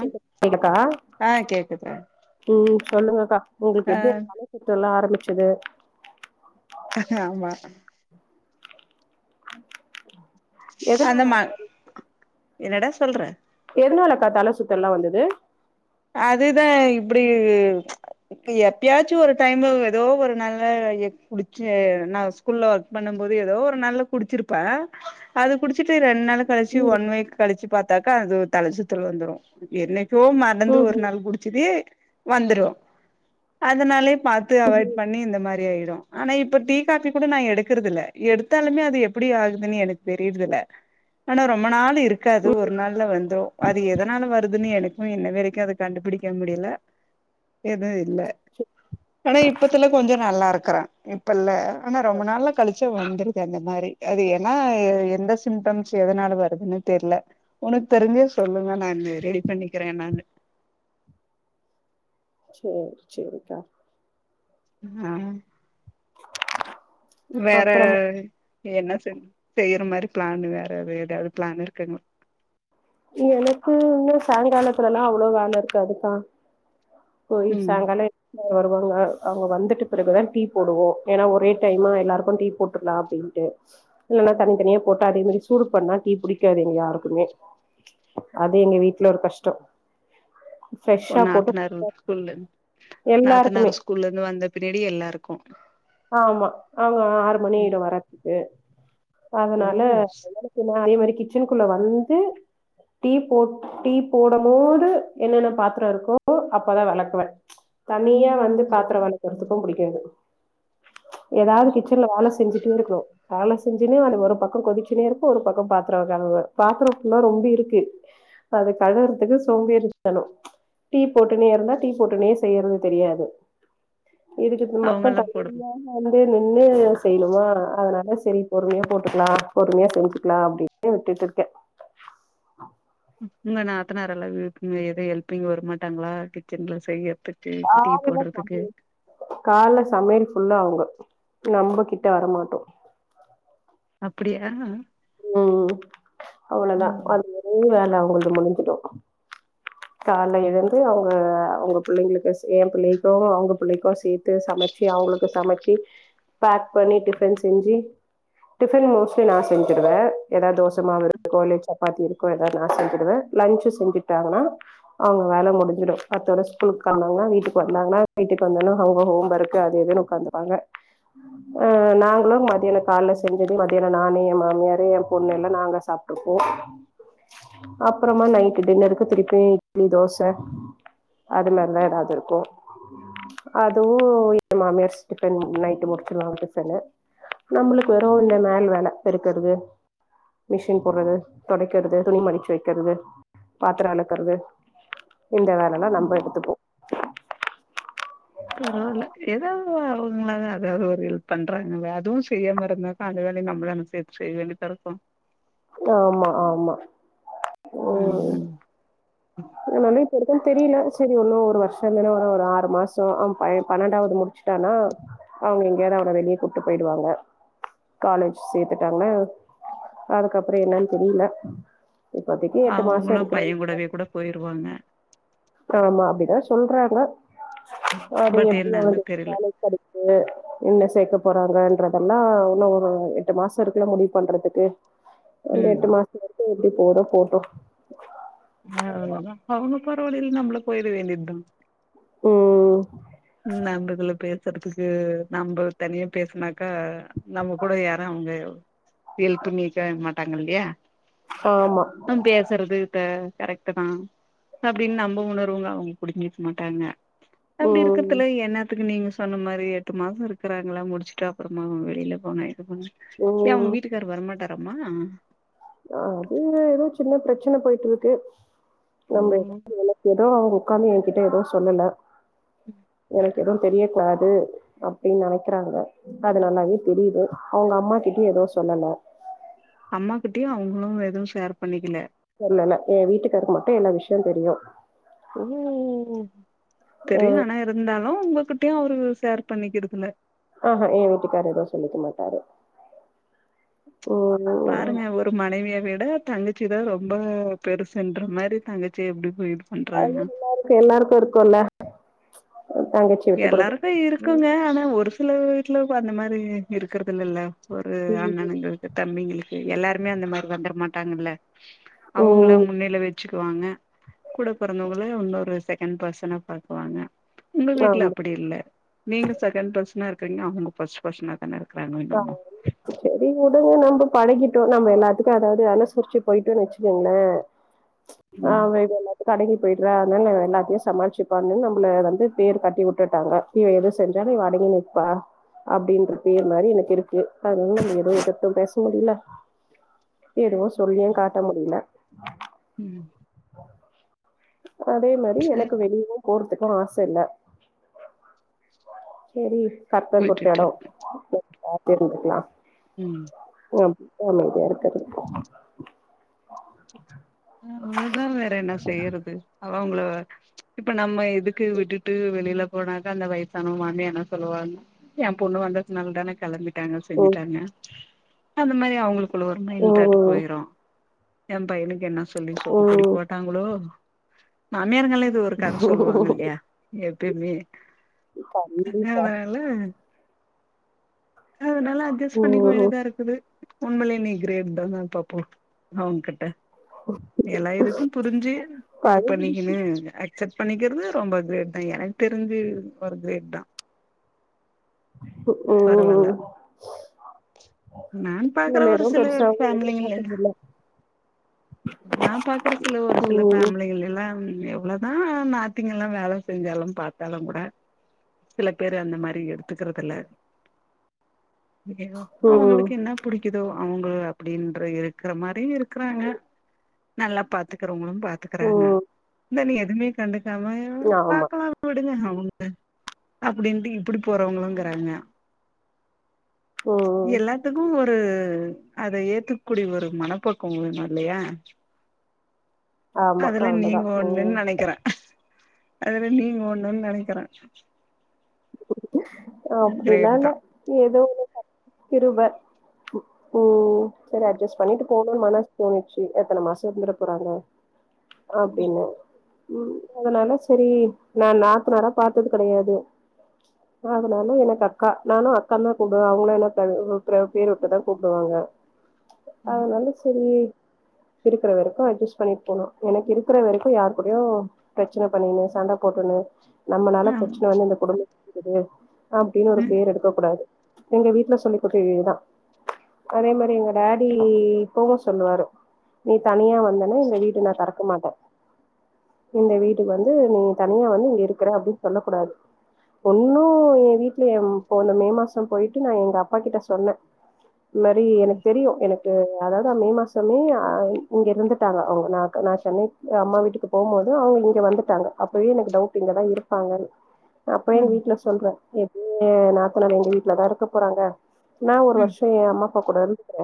K ம் கேக்குதா ஆ கேக்குது ம் சொல்லுங்கக்கா உங்களுக்கு ஆ எப்படி அந்த தல சுற்று எல்லா ஆரம்பிச்சது ஆமா ஹ அந்த மா என்னடா சொல்ற எதுனாலக்கா தலை சுத்த எல்லா வந்தது அதுதா இப்டி எப்பயாச்சு ஒரு டைம் ஏதோ ஒரு நல்ல எ குடிச்சு நா ஸ்கூல்ல ஒர்க் பண்ணும் போது ஏதோ ஒரு நாள்ல குடிச்சிருப்பே அது குடிச்சிட்டு ரெண்டு நாள கழிச்சி ஒன் வீக் கழிச்சு பாத்தாக்க அது தலைச்சுத்தள் வந்துரு என்னைக்கோ நடந்து ஒரு ம்ஹும் நாள் குடிச்சது வந்துரு அதனாலே பாத்து அவாய்ட் ம்ஹும் பண்ணி இந்த மாரி ஆயிடு ஆனா இப்ப டீ காஃபி கூட நா எடுக்கறது இல்ல எடுத்தாலுமே அது எப்படி ஆகுதுனு எனக்கு தெரியுதுல ஆனா ரொம்ப நாள் இருக்காது ம் ஒரு நாள்ல வந்துரு அது எதனால வருதுனு எனக்கு இன்னவரைக் கு அத கண்டுபிடிக்க முடியல எதுவு இல்ல ஆனா இப்பத்துல கொஞ்ச நல்லா இருக்கறே இப்ப இல்ல ஆனா ரொம்ப நாள்ல கழிச்சி வந்துரு அந்த மாரி அது ஏனா எந்த சிம்டம்ஸ் எதனால வருதுனு தெரில உனக்கு தெரிஞ்சா சொல்லுங்க நான் ரெடி பண்ணிக்கிறே என்னானு சேரி சேரிக்கா அ வேற அப்புறமா என்ன செய் செய்யற மாரி பிளானு வேற எதா எதாது பிளான் இருக்குங்களா எனக்கு இன்னு சாயங்காலத்துலல்லா அவ்ள வேல இருக்காதுக்கா போய் ம் சாங்கால வருவாங்க அவங்க வந்துட்டு பிறகுதா டீ போடுவோ ஏனா ஒரே டைமா எல்லாருக்கு டீ போட்டுறலா அப்டின்ட்டு இல்லனா தனிதனியா போட்டு அதே மாரி சூடு பண்ணா பிடிக்காது எங்க யாருக்குமே அது எங்க வீட்ல ஒரு கஷ்டோ ஒ ஃப்ரெஷ்ஷா போட்டு நாத்தனாரு ஸ்கூல்ல இருந் நாத்தனார் எல்லாருக்குமே ஸ்கூல்ல இருந்து வந்த பின்னாடி எல்லாருக்கு ஆமா அவங்க ஆறு ம் மணிரு வரதுக்கு அதனால ஓ அதே மாரி கிச்சனுக்குள்ள வந்து டீ போட் டீ போடமோது என்னென்ன பாத்திர இருக்கோ அப்பதா வெளக்குவ தனியா வந்து பாத்தரோ வளக்கற்துக்கு புடிக்காது ஏதாவது கிச்சன்ல வேல செஞ்சுட்டே இருக்கனு வேலை செஞ்சுனே [unintelligible] வே ஒரு பக்கோ கொதிச்சுனே இருக்கு ஒரு பக்கோ பாத்ரோ [unintelligible] பாத்ரோ புல்லா ரொம்பி இருக்கு ப்ப அது கழுறதுக்கு சோம்பேரித்தனோ டீ போட்டுனே இருந்தா டீ போட்டுனே செய்யறது தெரியாது இதுக்கு மட்டு அவங்கல்லா போடணு தனியா வந்து நின்னு செய்ணுமா அதனால சரி பொறுமையா போட்டுகலா பொறுமையா செஞ்சுக்கலா அப்டின் வுட்டுட் ருக்கே உங்க நாத்தனாரெல்லா எதவு ஹெல்பிங் வர்மாட்டாங்களா கிச்சன்ல செய்யற்த்துக் டீ காலைல போட்றதுக்கு சமையல் கால்ல சமையல் ஃபுல்லா அவுங்க நம்போ கிட்ட வரமாட்டோ அப்படியா ம் அவ்ளதா ம் அது ஒர வேலை அவ்ங்கள்து முடிஞ்சிடு கால்ல எழுந்து அவங்க அவங்க புள்ளைங்களுக்கு எ புள்ளைக்கு அவங்க புள்ளைக்கு சேத்து சமை ச்சே அவங்களுக்கு சமைச்சி பேக் பண்ணி டிஃபன் செஞ்சு டிஃபன் மோஸ்ட்லி நா செ செஞ்சுடுவே ஏதாவ தோசமாவ இருக்கோ இ சப்பாத்தி இருக்கு ஏதாவது நா செஞ்சுடுவே லஞ்சு செஞ்சுட்டாங்ன்னா அவங்க வேல முடிஞ்சிடு அத்தோட ஸ்கூலுக்கு கெளம்புவாங்க வீட்டுக்கு வந்தாங்கனா வீட்டுக்கு வந்தாலு அவங்க ஹோம் ஒர்க்கு அது இதுன்னு பாத்துப்பாங்க நாங்களு மத்யானோ கால்ல செஞ்சத மத்தியானோ நானே என் மாமியரு என் பொண்ணு எல்ல நாங்க சாப்ட்டுருப்போ அப்புறமா நைட்டு டின்னருக்கு திருப்பியு இட்லி தோச அதுமாதிரிதா ஏதாவது இருக்கு அதுவும் எ மாமியாரு டிஃபன் நைட்டு முடிச்சிருவாங்க டிஃபன்னு நம்புளுக்கு வெறு இந்த மேல் வேல பெருக்கறது மிஷின் போட்றது தொடைக்கறது துணி மடிச்சு வைக்கறது பாத்தரோ வெலக்கறது இந்த வேலல்லா நம்ப ம் எடுத்துப்போ பரவால்ல ஏதாவது அவங்களாது அதாவது ஒரு ஹல்ப் பண்றாங்களே அதுவு செய்யாம இருந்தா அந்த வேலையு நம்பளானு சேத்து செய்வேண்டித்தா இருக்கு ஆமா ஆமா ம் உம் ம் அதனால இப்ப வரைக்கு தெரியல சரி ஒன்னு ஒரு வர்ஷோந்தான வரும் ஒரு ஆறு மாசோ அ பைய பன்னெண்டாவது முடிச் ட்டனா அவங்க எங்கியாவது அவன வெளியே கூட்டு போயிடுவாங்க காலேஜ் சேத்துட்டாங்னா அதுக்கப்புறோ என்னன்னு தெரியல இப்போத்திக்கு எட்டு மாசோ இருக்கறன் உடவே கூட போயிருவாங்க ஆமா அப்புடிதா சொல்றாங்க அது பட் எப்டி என்னன்னு அவங்களுக்கு தெரில வேலை கெடைக்குது என்ன சேக்க போறாங்கன்றதல்லா உன்னு ஒரு எட்டு மாசோ இருக்குல முடிவு பண்றதுக்கு அந்த ம் எட்டு மாசோ வரைக்கு எப்டி போதோ போட்டோ அவ்ளதா அவுங்கோ பரவாலில்ல நம்மளே போயிட வேண்டியத்தா ம் [unintelligible] பேர் சற்துக்கு நம்ம தனியா பேசனாக்கா நம்ம கூட யாரு அவுங்க எல்ப்பண்ணீங்க மாட்டாங்க இல்லையா ஆமா பேசறது ப்ப கரெக்ட்டு தா அப்டின்னு நம்ம உணர்வுங்கோ அவுங்க புடிஞ்சிக்க மாட்டாங்க அப்டி இரு ம் என்னாத்துக்கு நீங்க சொன்ன மாரி எட்டு மாசம் இருக்கறாங்களா முடிச்சுட்டு அப்புறமா வெளியில போங்க இது பண்ணு ஏ அவங்க ம் வீட்டுக்கார் வரமாட்டாரம்மா அது ஏதோ சின்ன பிரச்சனை போயிட்டு இருக்கு ஓ நம்ம எதோ [inaudible] எதோ [inaudible] உக்காந்து எகிட்ட எதூ சொல்லல எதுவு தெரிய கூடாது அப்டின்னு நெனைக்கிறாங்க அது நல்லாவே தெரியுது அவங்க அம்மா கிட்டயு எதூ சொல்லல அம்மா கிட்டயு அவுங்களு எதுவு ஷேர் பண்ணிக்கல சொல்லல எ வீட்டுக்காருக்கு மட்டு எல்லா விஷயம் தெரியு ஓ தெரியு ஆனா இருந்தாலு உங்ககிட்டயு அவரு ஷேர் பண்ணிக்கிடுக்ல ஆஹ ஏ வீட்டுக்காரு எதூ சொல்லிக்க மாட்டாரு ம் பாருங்க ஒரு மனைவிய விட தங்கச்சி தா ரொம்ப பெருசுன்ற மாரி தங்கச்சி எப்டி போயிரு அது எல்லாருக்கு எல்லாருக்கு இருக்குல்ல தங்கச் எல்லாருக்கு இருக்குங்க ஆனா ஒரு சில வீட்ல அந்த மாரி இருக்கறது இல்லல்ல ஒரு அண்ணனங்களுக்கு தம்பிங்களுக்கு எல்லாருமே அந்த மாரி வந்தர மாட்டாங்கல்ல அவுங்கள ம் முன்னில வச்சுக்குவாங்க கூட பொறந்தவங்கள உன்னொரு செகண்ட் பர்சனா பாக்குவாங்க உங்க வீட் ஆமா அப்டி இல்ல நீங்க செகண்ட் பர்சனா இருக்கீங்க அவுங்க பர்ஸ்ட் பர்சனா தான இருக் [unintelligible] சரி உடுங்க நம்ம பழகிட்டோ நம்ம எல்லாத்துக்கு அதாவது அனுசரிச்சு போய்ட்டோ வச்சுக்கோங்களே ஆ ம் வீட கடங்கி போயிட்ற அதனால எல்லாத்தையு சமாளிச்சுப்பான்னு நம்மள வந்து பேர் கட்டி உட்டுட்டாங்க இவ எது செஞ்சாலு இவ அடங்கி நிப்பா அப்டின்ற பேர் அந்த மாரி எனக்கு இருக்கு அதனால நம்ம எதுவு எதிர்த்து பேச முடில எதுவு சொல்லியு காட்ட முடில ம் அதே மாரி ச எனக்கு வெளியவு போறதுக்கு ஆச இல்ல சரி கற்பல் குத்த விட்டுட்டு எடோ இருந்துக்கலா ம் நா [inaudible] அமைதியா இருக்க அவ்ளதா வேற என்ன செய்யறது அவ அவுங்கள இப்ப நம்ம இதுக்கு விட்டுட்டு வெளில போனா அந்த வயசானமானு என்ன சொல்லுவா எ பொண்ணு வந்ததுனாலான தான கெளம்பி டாங்க ம் செஞ்சுட்டாங்க அந்த மாரி அவுங்களுக்குள்ள மைண்ட் தாட்டு போய்டு எ பையனுக்கு என்ன சொல்லி சொக்கு பொடி ம் ம் போட்டாங்களோ மாமியாரங்கல்லா ஒரு கத சொல்லுவாங்க இல்லையா எப்பமே கண்டிப்பா னால அதனால அட்ஜஸ் பண்ணிக்க ம் வேண்டியதா இருக்குது உண்மலே நீ கிரேட் தான பாப்போ அவங்கிட்ட ம் எல்லா இதுக்கு புரிஞ்சு இது பண்ணி ம் அக்சப்ட் பண்ணிக்கிறது ரொம்ப கிரேட் தா எனக்கு தெரிஞ்சு ஒரு கிரேட் தா பரவால்ல ம் நான் பாக்குற இதுல ஒரு எதுவு சில பெருசாவு எதிர் ஃபேமிலிங்கல பாக்க [unintelligible] நா பாக்குற சில ஒரு சில ம் ஃபேமிலிகள் எல்லாம் எவ்வள தா நாத்திங்கல்லா வேல செஞ்சாலு பாத்தாலு கூட சில பேரு அந்த மாரி எடுத்துக்குறதுல [unintelligible] ம் அவங்களுக்கு என்ன புடிக்கிதோ அவங்க அப்டின்ற இருக்கிற மாரி இருக்குறாங்க நல்லா பாத்துக்கறவங்களும் பாத்துக்கேறாங்க ம் இல்ல நீ எதுமே கண்டுக்காம ஆமா பாக்கலா உடுங்க அவங்க அப்டின்ட்டு இப்டி போறவங்களுங்கிறாங்க ம் எல்லாத்துக்கு ஒரு அத ஏத்துக்கூடிய ஒரு மனப்பக்குவோ வேணுல்லையா ஆமா அதுல அவ்ளோதா நீங்க ஒன்னுன் ம் நெனைக்கிற அதுல நீங்க ஒன்னுன் நெனைக்கிற ஒ அப்டில்லா கிரேட் இல்ல தா ஏதோ ஒரு கர்த்தர் கிருப ம் சேரி அட்ஜஸ்ட் பண்ணிட்டு போணுன் மனசு தோணிச்சு எத்தன மாசோ இருந்துட போறாங்க [inaudible] அப்டின்னு ம் அதனால சரி நா நாத்தனாரா பாத்தது கடையாது அதனால எனக்கு அக்கா நானு அக்கான் தா கூப்டுவ அவங்களு என்ன ப பேர் வச்சி தா கூப்டுவாங்க [unintelligible] ம் அதனால சரி இருக்கிற வரைக்கு அட்ஜஸ்ட் பண்ணிட் போணு எனக்கு இருக்கிற வரைக்கு யார் கூடயு பிரச்சன பண்ணிக்னு சண்ட போட்டுனு நம்மனால ம் பிரச்சன வந்து இந்த குடும்ப இருக்குது அப்டின் ஒரு ம் பேர் எடு க்கக் கூடாது எங்க வீட்ல சொல்லிக்குடுத்த இதேதா அதே மாரி எங்க டடி இப்பவு சொல்லுவாரு நீ தனியா வந்தனா இந்த வீடு நா தெறக்க மாட்ட இந்த வீட்டுக் வந்து நீ தனியா வந்து இங்க இருக்கிற அப்டின் சொல்ல கூடாது பொண்ணு எ வீட்ல எ போன மே மாசோ போய்ட்டு நா எங்க அப்பா கிட்ட சொன்ன இந்த மாரி எனக்கு தெரியு எனக்கு அதாது மே மாசமே அ இங்க இருந்திப்பாங்க அவங்க நா நா சென்னை அம்மா வீட்டுக்கு போம்போது அவங்க இங்க வந்துட்டாங்க அப்பயே எனக்கு டவுட்டு இங்கதா இருப்பாங்கன்னு அப்ப எங்க வீட்ல சொல்ற இது எ நாத்தனார் எங்க வீட்லதா இருக்க போறாங்க நா ஒரு ம் வருஷோ எ அம்மா அப்பா கூட இருந்துகுற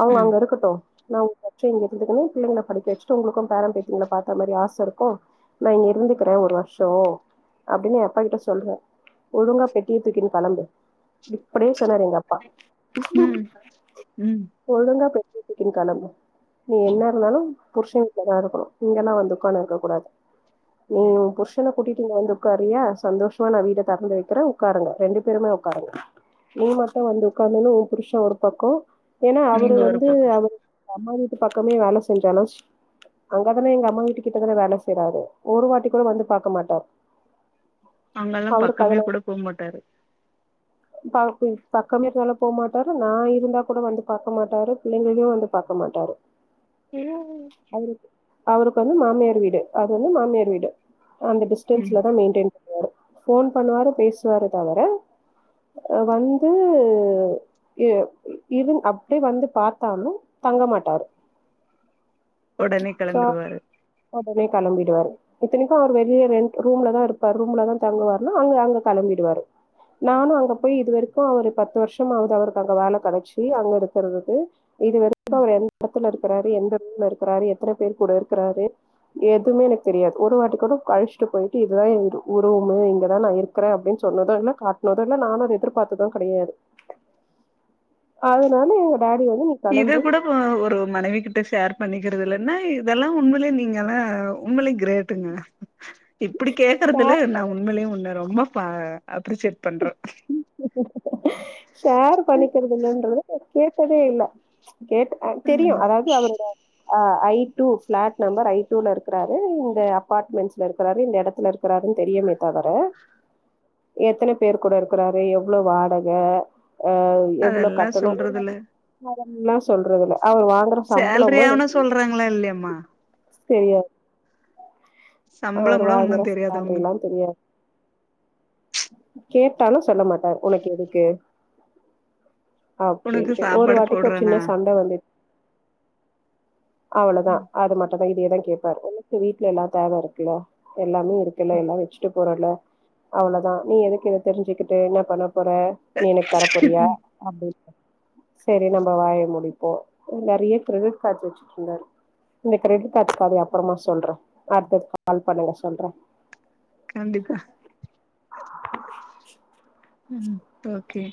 அவங்க ம் அங்க இருக்கட்டு நா சேரி இருந்துக்கோ பிள்ளைங்கள படிக்க வச்சிட்டு உங்களுக்கு பேர பேத்திங்ள பாத்த மாரி ஆச இருக்கு நா இங்க இருந்துக்கற ஒரு வர்ஷோ அப்டின்னு எ அப்பா கிட்ட சொல்ற ஒழுங்கா பெட்டிய தூக்கின்னு கெளம்பு இப்டியே சொன்னாரு எங்க அப் பா ம் ம் ஓழுங்கா பெட்டிய தூக்கின்னு கெளம்பு நீ என்ன இருந்தாலு புருஷ வீட்லதா இருக்கணு இங்கெல்லா வந்து உக்கான்னு இருக்க கூடாது நீ உ புருஷன கூட்டிட்டு இங்க வந்து உக்காரியா சந்தோஷோ மா நா வீட தெறந்து வைக்கிற உக்காருங்க ரெண்டு பேருமே உக்காருங்க நீ மட்டு வந்து உக்காந்துன்னு உ புருஷ ஒரு பக்கோ ஏனா அவரு நீங்க ஒரு வந்து பக்கோ அவர் நம்ம வீட்டு பக்கமே வேல செய்றானா அங்க தான எங்க அம்மா வீட்டு கிட்ட தான வேலை செய்றாரு ஒரு வாட்டி கூட வந்து பாக்க மாட்டார் அங்கல்லா அவருக்கு பக்கமே அதுல கூட போ மாட்டாரு பா பி பக்கமே இருந்தாலு போமாட்டாரு நா இருந்தா கூட வந்து பாக்க மாட்டாரு பிள்ளைங்களையுவந்து பாக்க மாட்டாரு ம் அவருக் அவருக்கு வந்து மாமியார் வீடு அது வந்து மாமியார் வீடு அந்த ம் டிஸ்டன்ஸ்லதா மெய்ன்டென் ஃபோன் பண்ணுவாரு பேசுவாரு தவிர வந்து எ இது அப்டி வந்து பாத்தாலு தங்க மாட்டாரு உடனே கெளம்பிருவாரு உடனே கெளம்பிடுவாரு இத்தனைக்கு அவர் வெளிய ரெண்ட் ரூம்ல தா இருப்பாரு ரூம்ல தா தங்குவாருனா அங்கங்க கெளம்பிடுவாரு நானு அங்க போய் இதுவரைக்கு அவரு பத்து வருஷம் ஆகுது அவருக்கு அங்க வேல கிடைச்சி அங்க இருக்குறதுக்கு இது வரைக்கு ம் அவர் எந்த எடத்துல இருக்கிறாரு எந்த ஊர்ல இருக்கிறாரு எத்தன பேர் கூட இருக்கிறாரு எதுமே எனக்கு தெரியாது ஒரு வாட்டி கூட கால்ஷீட் போயிட்டு இதுதா என்ட ஒரு ரூமு இங்கதா நா இருக்கிற அப்டின் சொன்னதோ இல்ல காட்னதோ இல்ல நானு அத எதிர்பார்த்தது கெடயாது அதனால எங்க டாடி வந்து இத கெளம்பு கூட ஓ ஒரு மனைவி கிட்ட ஷேர் பண்ணிக்கிறது இல்லன்னா இதெல்லா உண்மைலே நீங்கல்லா உண்மைலே கிரேட்டுங்க இப்டி கேக்றதுல நா உண்மையிலயு உன்ன ரொம்ப பா அப்ரிசியேட் பண்றே ஷேர் பண்ணிக்குறதுன்ரத கேட்டதே இல்ல கேட் ஆ தெரியு ம் அதாவது அவரோட ஆ I two flat number I டூல இருக்றாரு இந்த அபார்ட்மெண்ட்ஸ்ல இருக்றாரு இந்த எடத்துல இருக் இருக்றாருன் தெரியமே தவிர எத்தன பேர் கூட இருக்றாரு எவ்ளோ வாடக அ எவ்ளோ அதெல்லா கட்டணு [inaudible] சொல்றதுல ம் சொல்றதுல்ல அவர் வாங்கற சேல்ரி ஆவுனா சொல்றாங்களா இல்லையாம்மா தெரியா சம்பளோ அவர் கூட வாங்குற ஒன்னு தெரியாதா சேல்ரில்லா உனக்கு தெரியாது கேட்டாலு சொல்ல மாட்டார் உனக்கெதுக்கு உனக்கு அப்டின்ட்டு ஒரு சாப்பாடு வாட்டிக்கு ஒரு சின்ன போடுறேனா சண்ட வந்துச் அவ்ளதா அது மட்டுந்தா இதையேதா கேப்பாரு உனக்கு வீட்ல எல்லா தேவ இருக்குல்ல எல்லாமே இருக்குல்ல எல்லா வச்சுட்டு போறல்ல அவ்ளதா நீ எதுக்கு இத தெரிஞ்சுக்கிட்டு என்ன பண்ண போற நீ எனக்கு தரப்போறியா ம் அப்டின் சரி நம்ப வாய மூடிப்போ நெறைய கிரெடிட் கார்ட்ஸ் வச்சுட் இருந்தாரு இந்த கிரெடிட் கார்டு கதய அப்றமா சொல்றே அடுத்தது கால் பண்ணுங்க சொல்றே கண்டிப்பா ம் ஓகே